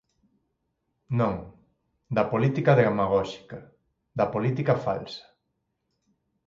Non, da política demagóxica, da política falsa.